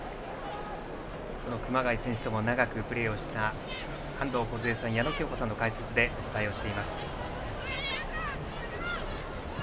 その熊谷選手とも長くプレーをした安藤梢さん、矢野喬子さんの解説でお伝えをしております。